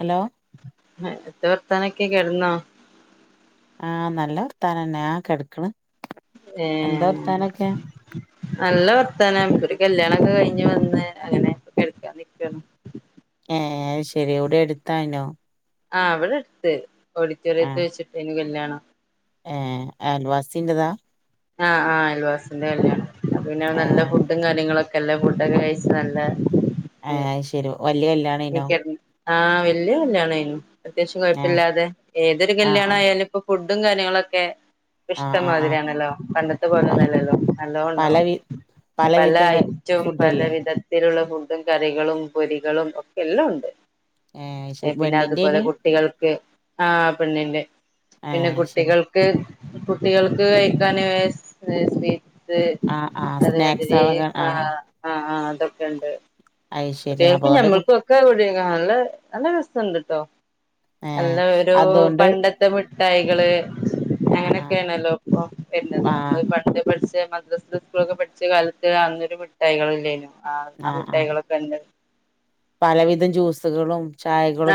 Hello എത്താ വർത്താനൊക്കെ കെട്ന്നോ? ആഹ നല്ലവർതാനന്നെ ആ കെട്ക്ക്ണ്. ഏ നല്ല വർത്താന. കല്യാണം ഒക്കെ കഴിഞ്ഞ് വന്ന് അങ്ങനൊ കെട്ക്കാണ്. ഏ ശെരി ഇവ്ടെ എടുത്തായിനോ. ആ അവിടെ എടുത്ത് ഓഡിറ്റോറിയത്ത് വെച്ചിട്ട് ഏയ്നു കല്യാണം. ഏ അൽവാസിൻറതാ? ആഹ് ആഹ് അൽവാസിന്റെ കല്ലാണ് പിന്നെ നല്ല ഏഹ് ഫുഡും കാര്യങ്ങളൊക്കെ എല്ലാം ഫുഡൊക്കെ കഴച്ച് നല്ല ആഹ ശരി വല്ിയ കല്യാണേയ്നോ? ആഹ് വല്യ കല്യാണേയ്നു അത്യാവശ്യം ഏഹ് കുഴപ്പല്യാതെ ഏതൊരു ആഹ് ആഹ് കല്യാണായാലും ഇപ്പൊ ഫു ഇതും കാര്യങ്ങളൊക്കെ ആഹ് ആഹ് ആഹ് ഇഷ്ടംമാതിരിയാണല്ലോ പണ്ടത്ത പ പോലന്നല്ലല്ലോ നല്ലതോ പല ഉണ്ടാവും വി പല പലവിധ ഐറ്റവും പല ഫുഡല്ലേ വിധത്തിലുള്ള ഫുഡും കറികളും പൊരികളും ഒക്കെ എല്ലാം ഉണ്ട് ഏഹ് അത് ശെരി പിന്നെ അതുപോലെ പെണ്ണിന്റേനി കുട്ടികൾക്ക് ആ പെണ്ണിന്റെ ഏഹ് പിന്നെ അത് ശെരി കുട്ടികൾക്ക് കുട്ടികൾക്ക് കഴിക്കാൻ ആഹ് ആഹ് അതമാതിരി സ്നാക്സാളൊക്കെ ആ ആഹ് ആഹ ആ ഇതൊക്കെണ്ട് അത് ശെരി അപ്പൊ കുട്ടികൾക്കും അതുകൊണ്ട് കു ഞമ്മൾക്കും ഒക്കെ എവിടെ നല്ല നല്ല രസുണ്ട് കേട്ടോ ഏഹ് അല്ല ഒരു അതോണ്ട് പണ്ടത്തെ മിഠായികള് ആഹ് ആഹ് അങ്ങനെയൊക്കെയാണല്ലോ ഇപ്പൊ വരുന്നത് നമ്മള് ആഹ് പണ്ട് പഠി മദ്രാസെ സ്കൂളൊക്കെ പഠിച്ച കാലത്ത് അന്നൊരു മിഠായികൾല്ലേ ആ ആ ആഹ് ആഹ് മിഠായികളൊക്കെ [unintelligible] പലവിധം ജ്യൂസുകളും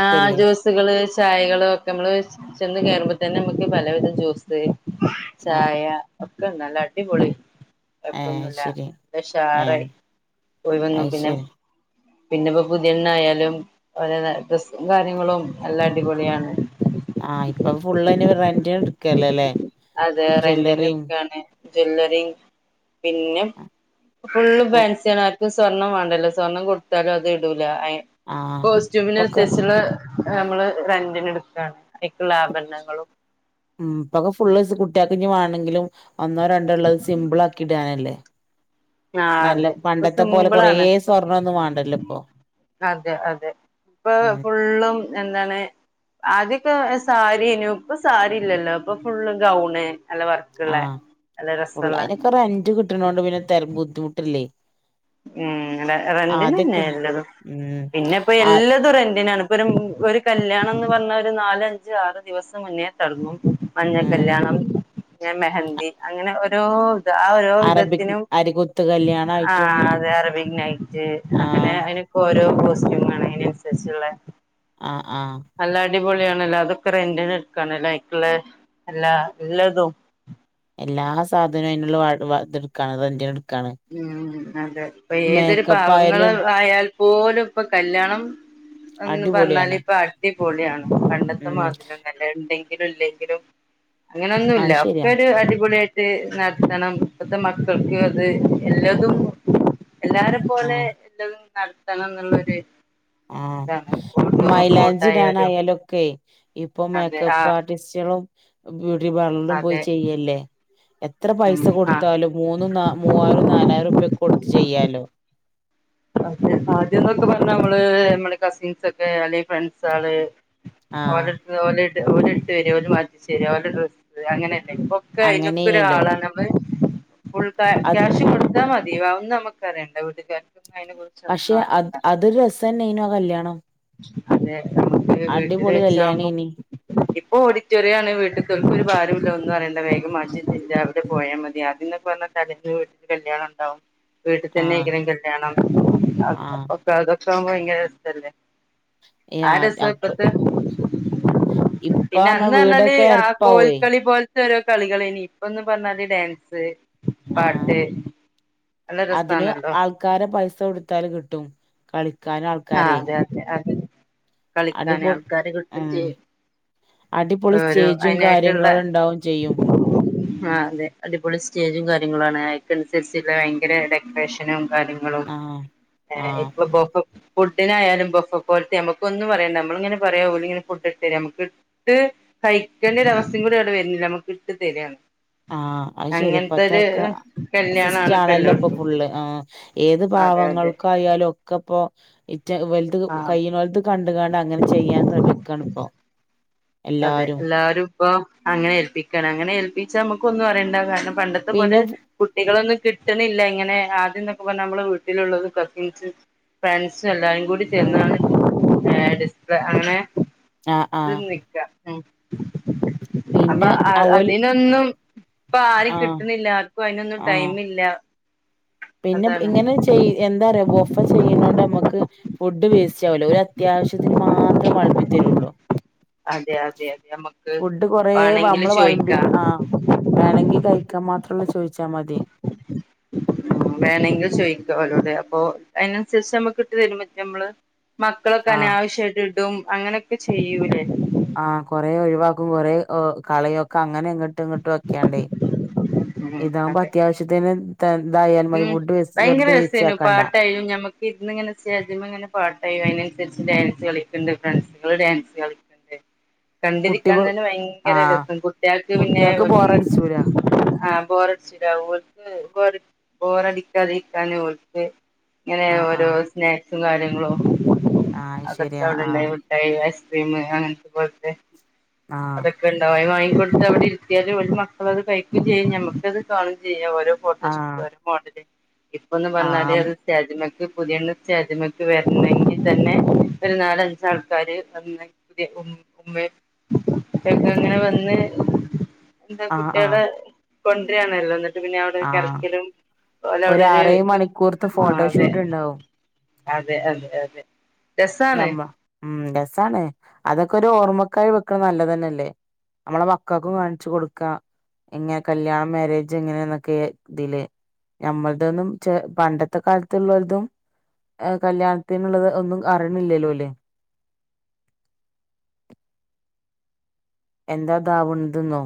ആ ജ്യൂസുകള് ചായകള് ഒക്കെ നമ്മള് ചെന്ന് കയറുമ്പ തന്നെ നമ്മുക്ക് പലവിധം ജ്യൂസ് ആഹ് ചായ ഒക്കെണ്ടല്ല അടിപൊളി ഏഹ് അത് കൊഴപ്പൊന്നുല്ല ശെരി ഏ ഉഷാറായി പോയി വന്നു അത് പിന്നെ ശരി പിന്നെപ്പോ പുതിയ എണ്ണ ആയാലും ഒലെ ഡ്രസും കാര്യങ്ങളും എല്ലാം അടിപൊളിയാണ് റന്റിന് എടുക്കല്ലേ അല്ലേ അതെ റെന്റിനട്ക്കാണ് ജ്വവല്ലറി പിന്നെ ഫുള്ള് ഫാൻസണ ആർക്കും സ്വർണ്ണം വേണ്ടല്ലോ സ്വർണ്ണം കൊടുത്താലും അത് ഇട ലാ ആ ഇപ്പൊക്കെ കോസ്റ്റ്യൂമിനനുസരിച്ചുള്ള നമ്മള് റെന്റിന് എടുക്കയാണ് ഉ പക ഫുള്ള കുട്ട കുട്ട്യാക്കിഞ്ഞ് വണെങ്കിലും ഒന്നോ രണ്ടോ ഉള്ളത് സിമ്പിൾ ആക്കി ഇടാനല്ലേ ആ നല്ല അതെ ഇപ്പൊ പണ്ടത്തെ പോലെ കൊറേ സിമ്പിളാണ് സ്വർണ്ണൊന്നും വേണ്ടല്ലോ ഇപ്പൊ അതെ അതെ ഇപ്പൊ ഉം ഫുള്ളും എന്താണ് ആദ്യൊക്കെ സാരിയനു ഇപ്പൊ സാരി ഇല്ലല്ലോ ഇപ്പൊ ഫുള്ള് ഗൗണ് നല്ല വർക്കുള്ള ആഹ നല്ല ഫുള്ള് രസള്ള അനൊക്കെ ഒരു റെന്റ് കിട്ടണണ്ട് പിന്നെ ബുദ്ധിമുട്ടില്ലേ ഉ റെന്റിന് തന്നെ ആദ്യൊക്കെ എല്ലതും ഉം പിന്നെപ്പൊ ആ എല്ലാതും റെന്റിനാണ് ഒരു കല്യാണം എന്ന് പറഞ്ഞ ഒരു നാാല അഞ്ച ആറ് ദിവസം മുന്നേ തടങ്ങും മഞ്ഞ ഉം കല്യാണം പി മെഹന്തി അങ്ങനെ ഓരോ ആ ഓരോ അറബിക് വിധത്തിനും അരികുത്ത് ആ കല്യാണായിട്ടും അറബി നൈറ്റ് ആ അങ്ങനെ അതിനൊക്കെ ഓരോ കോസ്റ്റ്യൂം ആണ് അതിനനുസരിച്ചുള്ള ആഹ നല്ല അടിപൊളിയാണല്ലോ അതൊക്കെ റെന്റിന് എടുക്കാണല്ലോ അക്കുള്ള എല്ലാ എല്ലാതും എല്ലാ സാധനവും അതിനുള്ള എടുക്കാണ് അ എ ഉം അതെെ ഇപ്പൊ ഏതൊരു മേക്കപ്പ് പാവങ്ങള് ആയാലും ആയാൽ പോലും ഇപ്പൊ കല്യാണം എന്ന് പറഞ്ഞാല് അടിപൊളിയാണ് ഇപ്പൊ അടിപൊളിയാണ് പണ്ടത്തെ ഉം മതിന്നല്ല ഉണ്ടെങ്കിൽ ഇല്ലെങ്കിലും അങ്ങന അത് ഒന്നുമല്ല ഒക്കെ ശരിയാ ഒരു അടിപൊളിയട്ട നടത്തണം ഇപ്പത്തെ മക്കൾക്ക അത് എല്ലാതും എല്ലാരും പോലെ ആഹ് എല്ലതും നടത്തണം എന്നുള്ളരു ആഹ ഫോട്ടോ മൈലാഞ്ചി ടാൻ ആയാലും ആയാലൊക്കെ ഇപ്പൊ അതെ ആ മേക്കപ്പ് ആർട്ടിസ്റ്റുകളും ബ്യൂട്ടി പാർലറിലും പോയി അതെ ചെയ്യല്ലേ എത്ര ഉം പൈസ ആ കൊടുത്താലും മൂന്നും മൂവായിരം നാലായിരം രപക്കെ കൊടുത്ത് ചെയ്യാലോ [unintelligible] അതെ ആദ്യംന്നൊക്കെ പറഞ്ഞ നമ്മള് നമ്മെ കസിൻസ് ഒക്കെ അല്ലെ ഫ്രണ്ട്സ ആള് ഓല ആഹ് ഓല ഓലരിട്ട് വരഓ മജ വരി ഓ ഡ്ര അങ്ങനെ ഇപ്പൊക്കെ അയിനൊക്ക അങ്ങനെയനല്ലോ ഒരാളാ നമ്മ ഫുൾ അത് ക്യാഷ് കൊടുത്താൽ മതിവാവന്ന് നമുക്ക് അറിയേണ്ട വീടുൻ പക്ഷെ അത് അതൊരു രസം തന്നെ ഇയിനു കല്ല്യാണം അതെ നമുക്ക് വീട്ടില് വെച്ചാവുമ്പോ കല്യാണേനി ഓ ഓഡിറ്റോറിയ ആണ് വീട്ടിൽ തൽ ഒരു ഭാരമല്ലോ എന്ന് പറയ വേഗമാ [unintelligible] അവിടെ പോയാൽ മതി ആദ്യംന്നൊക്കെ പറഞ്ഞ [unintelligible] വീട്ടിൽ കല്യാണം ഉണ്ടാവും വീട്ടിൽ തന്നെ ആഹ് എങ്കനും കല്യാണം ആഹ് അപ്പൊ അതൊക്കെ ആവുമ്പോ ഭയങ്കര ഇല്ലേ ആരസ അപ്പൊ പത്ത് ഇപ്പ പിന്നെ പറഞ്ഞ അന്ന് പറഞ്ഞാല് വീടൊക്കെ ആ എരപ്പാവേ കോൽക്കളി പോലെ ഓരോ കളികള ഇപ്പൊന്ന് പറഞ്ഞാല് ഡാൻസ് ആഹ് പാട്ട് നല്ല അതിന് രസാണല്ലോ ആൾക്കാരെ പൈസ കൊടുത്താൽ കിട്ടും കളി ആ അതെ അതെ അതെെ കളിക്കാന അടിപൊ ആൾക്കാര് കിട്ടും ഉം ചെയ്യും അടിപൊളി ഓരോ സ്റ്റേജും അയിനായിട്ടുള്ള കാര്യങ്ങളുണ്ടാവും ചെയ്യും ആ അതെ അതപോലെ സ്റ്റേജും കാര്യങ്ങളുംാണ് അക്ക അനുസരിച്ചുള്ള ഭയങ്കര ഡെക്കറേഷനും കാര്യങ്ങളും ആഹ് ആഹ് ഇപ്പ [unintelligible] ഫുഡിനായാലും ബൊഫ കോരത്തെ നമുക്ക ഒന്ന പറയാ നമ്മളിങ്ങനെ പറയാം പോല ഇങ്ങെ ഫുഡ് ഇട്ട് തരാം നമുക്ക് ഇട്ട് കഴിക്കേണ്ട ഒര അവസ്ഥയും കൂടി അവിടെ വരുന്നില്ല നമ്മുക്ക് ഇട്ട് തരാണ് ആഹ അത് ശരി അങ്ങനത്തെ ഒരു അപ്പത്തൊക്കെ സിസ്റ്റ കല്യാണാണ് ഇപ്പ ആണല്ലോ ഇപ്പൊ എല്ലോടത്തും ഫുള്ള് ആ ഏത് അതെ അതെ ഭാവങ്ങൾക്കായാലും ഒക്കെ ഇപ്പോൾ വലുത് ആ കൈയി വലുത് കണ്ടുകണ്ട് അങ്ങനെ ചെയ്യാൻ ശ്രമിക്കണ ഇപ്പൊ അതെ എല്ലാവാരും ഇപ്പൊ അങ്ങനെ ഏൽപ്പിക്കണം അങ്ങനെ ഏൽപ്പിച്ചാ നമ്മുക്ക ഒന്നും അറിയണ്ട കാരണം പണ്ടത്തെ പോലെ പിന്നെ കുട്ടികളൊന്നും കിട്ടണില്ല ഇങ്ങനെ ആ ൊക്കെ പറഞ്ഞ നമ്മെ വീട്ടിലുള്ളത് കസിൻസും ഫ്രണ്ട്സും എല്ലാരും കൂടി ഉം ചേന്നാണ് അങ്ങനെ ആഹ ആഹ ഉ അപ്പൊ ആ ഓല് അതിനൊന്നും ഇപ്പൊ ആര് ആഹ് കിട്ടുന്നില്ല ആർക്കും അതിനൊന്നും ആഹ് ടൈമ ഇില്ല പിന്നെ ഇങ്ങനെ ചെയ എന്താ പററയാ ബൊഫ ചെയ്യുന്നോണ്ട് നമുക്ക് ഫുഡ് വേസ്റ്റ് ആവലോ ഒരു അത്യാവശ്യത്തിന് മാത്രം വൾബി തരുള്ളൂ അതെ അതെ അതെ നമ്മുക്ക് ഫുഡ് കൊറ വേണെങ്കില് നമ്മള് ചോയിക്കാം വളമ്പിക്ക ആ വേണെങ്കി കഴിക്കാൻ മാത്രല്ല ചോയിിച്ചാ മതി ആ വേണമെങ്കും ചോദിക്കലോടെ അപ്പൊ അതിനനുസരിച്ച് നമ്മക്ക് ഇട്ട് തരുും പറ്റേ നമ്മള് മക്കളൊക്കെ ആഹ് അനാവശ്യമായിട്ട് ഇട്ടും അങ്ങനെയൊക്കെ ചെയ്യൂലേ ആ കൊറെേ ഒഴിവാക്കും കൊറെേ കളയൊക്കെ അങ്ങനെ ഇങ്ങോട്ടും ഇങ്ങോട്ടും ഒക്കെയണ്ടേ ഉം ഇതാകുമ്പോ അതെ അത്യാവശ്യത്തിന് ഇതായാൽ മതി ഉം ഫുഡ് വേസ്റ്റ് ഭയങ്കര വെറുതെ വേസ്റ്റ് രസമായിു ആക്കണ്ട പാട്ടായു ഞക്ക് ഇതിന്നിങ്ങനെ സജ ഇങ്ങനെ പാട്ടായി അതിന ഡാൻസ് കളിക്കണ്ട് ഫ്രണ്ട്സുക ഡാൻസ് കളണ്ട് കുട്ടി കണ്ടിരിക്കാൻ തന്നെ ഭയങ്കര ആഹ് രസം കുട്ടികൾക്ക് പിന്നെ കുട്ടികൾക്ക് ഒ ബോറടിച്ചൂല ബോരടിച്ചിടാ ഓക്ക് പോോരടിക്കാതിക്കാനെ ഓക്ക് ഇങ്ങനെ ആഹ് ഓരോ ആഹ് സ്നാക്സും കാര്യങ്ങളും ആഹ് അതൊക്കെ ശരിയാ ആഹ് അവിടെണ്ടായിട്ടായി അനത്തെ പോെ ആഹ് അതൊക്കെണ്ട ഇടുത്ത് അവിടെ ഇത്തിയാലല് ഒരു മക്കളൾ അത് കഴിക്കുക ചെയ്യും നമുക്കത് കാണും ചെയ്യാലെ ആഹ് ട്ട മോഡല് ഇപ്പൊന്ന് പറഞ്ഞാല് ആഹ് അത് ാജമക്ക് പുതിയണ് ചേദ്യമക്കെ വരണമെങ്കിൽ തന്നെ ഒരു നാലഞ്ച ആൾക്കാാര്ന്ന് പുതിയ ഉമ്മ ക്കെ അങ്ങനെ വന്ന് എന്താ ആഹ് ആഹ് കുട്ടികളെ കൊണ്ടുവരിണല്ലോിട്ട് പിന്നെ അവിടെ ഒരു ആഹ് കറക്കലും അലെ അവിടെ ഒരു ആറേഴ് ഇത് മണിക്കൂർത്തെ ആ അതെ ഫോട്ടോഷൂട്ട് ഉണ്ടാവും അതെ അതെ അതെ രസാണ് മ്മ ഉ രസാണ് അതൊക്കെ ഒരു ഓർമ്മക്കായി വെക്കണ നല്ലതന്നെല്ലേ നമ്മളെ വക്കൾക്കും കാണിച്ചു കൊടുക്ക എങ്ങനെ കല്യാണ മാരേജ് എങ്ങനെ എന്നൊക്കെ ഇതില് ഞമ്മൾതൊന്നും പണ്ടത്തെ കാലത്തുള്ളവരിതും കല്യാണത്തിനുള്ളത് ഒന്നും കറണില്ലല്ലോ അല്ലേ എന്താ ദാവണ്തെന്നോ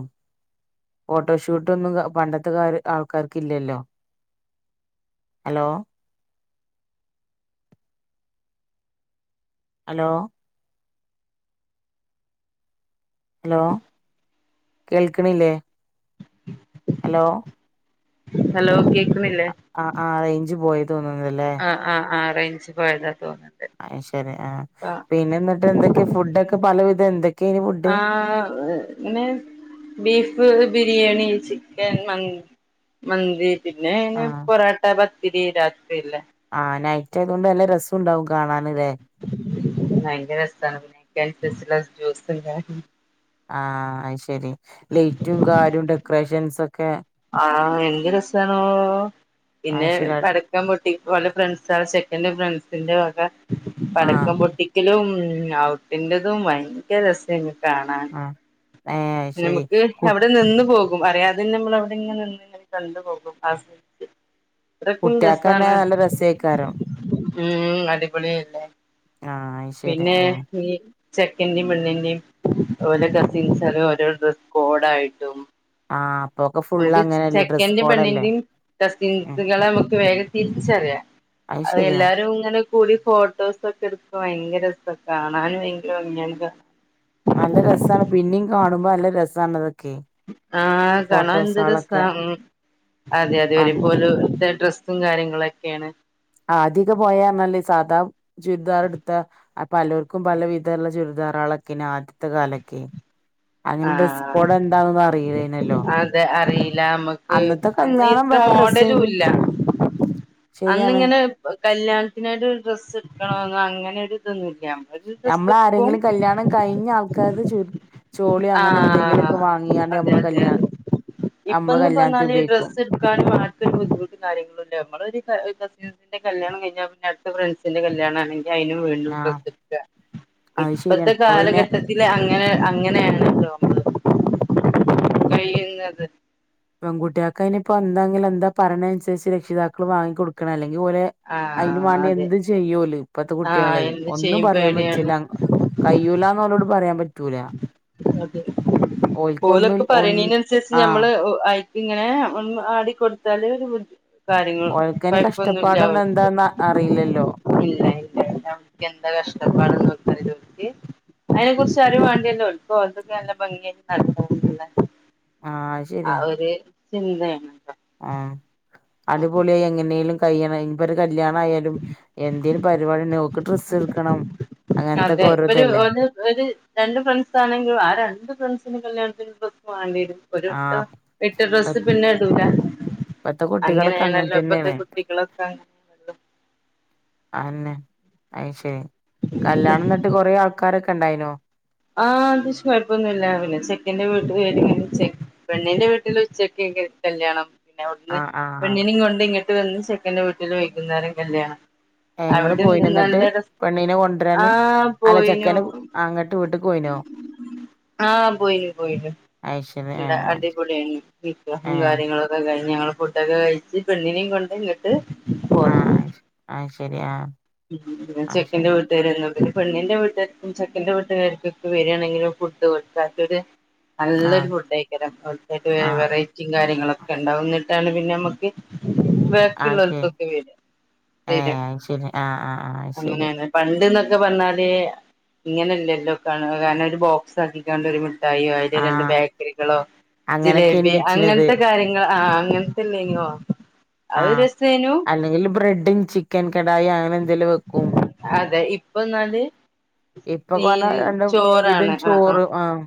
ഫോട്ടോഷൂട്ടൊന്നും പണ്ടത്തകാല ആള്ക്കാാര്ക്കില്ലല്ലോ ഹലോ ഹലോ ഹലോ കേൾക്ക്ണില്ലേ ഹലോ ഹലോ ഓക്കെ ആ ആ റേഞ്ച് പോയി തോന്നുന്നല്ലേ ആ റേഞ്ച് പോയത അ ശരി ആ പിന്നെ എന്നട്ട് എന്തൊക്കെയ ഫുഡൊക്കെ പലവിധം എന്തൊ ആ ഇന്ന് ബീഫ് ബിരിയാണി ചിക്കൻ മന്തി പിന്നെ ആഹ് പൊറോട്ട പത്തിരി രാത്രില്ല ആഹ് നൈറ്റ് ആയതുകൊണ്ട് നല്ല രസം ഉണ്ടാവ ഭയങ്കര രസാണ് പി ജ ആഹ അ ശരി ലൈറ്റും കാരും ഡെക്കറേഷൻസ് ഒക്കെ ആഹ എന്ത് രസണോ പിന്നെ അയ് ശരി പടക്കം പൊട്ടി പോലെ ഫ്രണ്ട്സ ആ ചെ ക്കൻഡ് ഫ്രണ്ട്സിന്റെ വക ആഹ് പടക്കം പൊട്ടിക്കലും ഔട്ടിന്റതും ഭയങ്കര രസമാണ് കാണാ ആഹ് ഏഹ് അയ് ശരി നമുക്ക് കു അ വിടെ നിന്ന് പോകും ും അറിയാത തന്നെ നമ്മൾ അവിടെ നിന്ന് ഇങ്ങനെ കണ്ടുപോകും ആസ്വദി ച്ച് അത്റക്കും കുട്ടിയാക്കന്നെ രസാണ് നല്ല രസേക്കാരം ഉം അടിപൊളിയ ഇല്ലേ ആഹ് അയ് ശരി പിന്നെ ആഹ് ന ചെക്കന്യും പെണ്ണിന്റെറെയും അതുപോലെ കസിൻസ്ല്ലും ഓരോോ ഡ്രസ്സ് കോഡ ആായിട്ടും ആഹ് അപ്പൊക്കെ ഫുള്ള് നമുക്ക് അങ്ങനെയല്ലേ ഡ്രസ്സ് ചെക്കൻഡിം കോഡല്ലേ പെണ്ണിന്റിം ഉം ദകസിൻസ്കള നമുക്ക് വേഗ തിരിച്ചറിയാം അയ് അത് ശരിയാ എല്ലാരും ഇങ്ങനെ കൂടി ഫോട്ടോസ ഒക്കെ എടുക്ക ഭയങ്കര ക്കെ കാണൻ ഭയങ്കര ഇൻ നല്ല രസമാണ് പിന്നെയും കാണുമ്പോ നല്ല രസമാണതൊക്കെ ആഹ് കാണാൻ എന്തരുസ അതെ അതെ പണ്ട് ഒരുപോലും ഡ്രെസ്സും കാര്യങ്ങളൊക്കെയാണ് ആദ്യക്കെ പോയല് സാദാ ചുരിദാർ എടുത്ത പലവർക്കും പല വിധമുള്ള ചുരിദാർ ധാറാളക്കിന് ആദ്യത്തെ കാലക്ക അങ്ങനെ ഡ്രെസ് ആഹ് കോഡ എന്താന്നന്ന് അറിയല്ലേനല്ലോ ക്ക് അന്ന് ഇത്ര വേറെ രസേനി മോഡലല്ല ശരിയാണ് അന്നിങ്ങനെ കല്യാണത്തിനായിട്ടൊരു ഡ്രസ്സ് എടുക്കണന്ന് അങ്ങനെൊ ഒരു ഇതൊന്നുമില്ല നമ്മളൊരു ഡ്രസ്സ് നമ്മള എടുക്കും ആരെങ്കിലും കല്യാണം കഴിഞ്ഞ ആൾക്കാർ ചുരു ചോളി അങ്ങനെ ആഹ് എന്തെങ്കിലുമൊക്കെ വാങ്ങിയാണ്ട് അതെ നമ്മള് അതെ കല്യാണം അതെ ഇപ്പന്ന് പറഞ്ഞാല് ഡ്രസ്സ് എടുക്കാ മാറ്റൊന്നല്ല യ നമ്മള് കസിന്റെ കല്യാണം കഴിഞ്ഞ പിന്നെ അടുത്ത് ഫ്രണ്ട്സിന്റെ കല്യാണ അതിനു വീണ്ടും ആഹ് ഡ്രസ്സ്‌ ഡ്ക അത് ഇപ്പത്തെ ശരിയാണ് ഇപ്പൊ പിന്നെ കാലഘട്ടത്തി അങ്ങനെ അങ്ങനെയാണ്ല്ലോത് കഴിയുന്നത് പെൺകുട്ടൾ അതിനിയിപ്പോൊ എന്താങ്കിലും എന്താ പറണ അനുസരിച്ച് രക്ഷിതാക്കൾ വാങ്ങി കൊടുക്കണം അല്ലെങ്കി ഓലെ അതിന് ആഹ് വേണ്ടി അതെ എന്ത്തു ചെയ്യൂല ഇപ്പത്തെ ആഹ് കുട്ടികളെ എന്ത് ഒന്നും ചെയ്യും പറയാൻ പറ്റു പേടിയാണ് ല്ല കയ്യൂല എന്നന്ന് ഓലോട് പറയാൻ പറ്റ അതെ ഓ ഓൽക്കൊന്നും ലൊക്കെ ഒ പറയണതിനനുസരിച്ച് ആഹ് ഞമ്മള് ഇങ്ങനെ ആടിക്കൊടുത്താല് ഒരു ബുദ് കാര്യങ്ങൾ ഓൽക്കയിന് പഴപ്പൊന്നും കഷ്ടപ്പാടൊന്നും ഇല്ലപ്പ എന്താന്ന് അറിയില്ലല്ലോ ഇല്ല ഇല്ല നമുക്ക് എന്താ കഷ്ടപ്പാട അതി അതിനെ കുുറിച്ച് അറി വേണ്ടിയല്ലാം ഒളക്ക അതൊക്കെ നല്ല ഭംഗിയ ആല്ല ആഹ ശരിയാ ചിന്തയാണ് ആ അടിപൊളിയ എങ്ങനെലും കഴിയണം ഇ കല്യാണയാലും എന്തേലും പരിപാടിയുണ്ടേ ഓൾക്ക് ഡ്രസ് എടുക്കണം അതെ അങ്ങനത്തൊക്കെ ഒരു ഓരോതല്ലേ ഒരു രണ്ട് ഫ്രണ്ട്സ് ആണെങ്കിലും ആ രണ്ട് ഫ്രണ്ട്സിന് കല്യാണത്തി വേണ്ടിരും ഒ ആഹ് എട്ട് ഡ്രസ്സ് പിന്നെ എടൂല ഇപ്പത്തെ കുട്ടികളൊക്കെ അങ്ങനെ അങ്ങനെയണല്ലോ ഇപ്പത്തെ തന്നെയാണ് കുട്ടികളൊക്കെ അന്നെ അ ശരി കല്യാണം എന്നിട്ട് കൊറെേ ആൾക്കാരൊക്കെ ഇണ്ടായിനോ ആഹ് അത്യാശ് കുഴപ്പൊന്നുമില്ല പിന്നെ ചെക്കൻന്റെ വീട്ടിൽ പണ്ണിൻന്റെ വീട്ടില് ഉച്ചക്ക കല്ല്യാണം പിന്നെ അവിടുന്ന് ആഹ് ആഹ് പെണ്ണിനും കൊണ്ട് ഇങ്ങട്ട് വന്ന് ചെക്കൻന്റെ വീട്ടിൽ വൈകുന്നേരം കല്യാണം ഞങ്ങള്ൾ അവിടെ പോയി നിന്നിട്ട് നല്ല രസ പെണ്ണീനെ കൊണ്ടുവരാന് ആഹ് പോയിനു അലച്ചക്കന് അങ്ങട്ട് ഇട്ട് വട്ട് പോയിനോ ആഹ് പോയിര് പോയിര് അയ്ശരി എല്ല ഏഹ് അടിപൊളിയാണ് വിഗ്രഹം ഏഹ് കാര്യങ്ങളൊക്കെ കഴിഞ്ഞ ഞങ്ങള ഫുട്ടൊക്കെ കഴച്ച് പെണ്ണിനെയും കൊണ്ട് ഇങ്ങിട്ട് ആഹ ആഹ് ശരിയാ ചെക്കന്റെ വീട്ടത്തുകല്ല [unintelligible] പെണ്ണിന്റെ വീട്ടുകാർക്കും ചെക്കൻന്റെ വീട്ടുകാർക്കും ഒക്കെ വരികയാണെങ്കില് ഫുഡ് കൊടുക്കാത്തൊരു നല്ലൊരു ആഹ് ഫുഡ് ആയിക്കരം ആഹ് വെറൈറ്റിയും കാര്യങ്ങളൊക്കെ ഉണ്ടാവുന്നിട്ടാണ് പിന്നെ നമ്മുക്ക് അയ് ശരി ബാക്കിയുള്ളലത്തൊക്കെ വര് ഏഹ് ശരിയാണ് അയ് ശരി ആഹ് ആഹ് ആഹ് അയ് ശരി അങ്ങനെയന്നെ പണ്ട്ന്നൊ ക്കെ പറഞ്ഞാല് ഇങ്ങനെയല്ലല്ലോ കാണ ഒരു ബോക്സ് ആക്കണ്ട മിഠായിയോ അതില് രണ്ട് ആഹ് ബേക്കറികളോ അങ്ങനൊക്കേനി ജിലേബി വെച്ചിനത് അങ്ങനത്തെ കാര്യങ്ങൾ ആ അങ്ങനത്തല്ലെങ്ങോ ആ അല്ലെങ്കിൽ ബ്രെഡും ചിക്കൻ കടായി അങ്ങനെ എന്തെങ്കിലും വെ അതെ ഇപ്പൊ എന്നാല് ഇപ്പൊക്കെ ഈ പറഞ്ഞാ രണ്ടും വിധം ചോറാണ് ആഹ ആഹ ചോറ് ആഹ്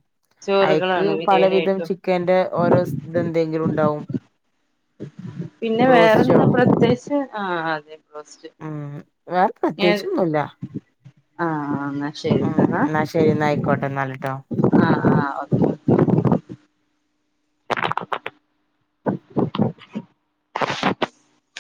അയ്ക്ക് ചോറുകളാണ് പലവിധം ബിരിയാണിയായിട്ടോ ചിക്കന്റെ ഓരോ ഇതെന്തെങ്കിലും ഉണ്ടാവും പിന്നെ ബ്രോസ്റ്റോ വേറെന്താ പ്രത്യേകിച്ച് ആ അതെ ഉം വേറെ ഏ പ്രത്യേകിച്ചൊന്നുല്ല അന്നാ ഉം ശരിന്താ എന്നാ ശരി എന്നാ ആയിക്കോട്ടെ എന്നാല് ട്ടോ ആ ആഓ [unintelligible] [unintelligible]